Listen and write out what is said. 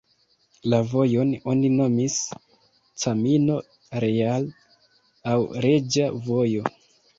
La vojon oni nomis "Camino Real" aŭ Reĝa Vojo.